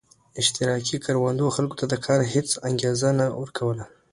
اشتراکي کروندو خلکو ته د کار هېڅ انګېزه نه ورکوله